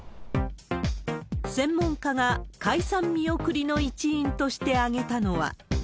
専門家が解散見送りの一因として挙げたのは。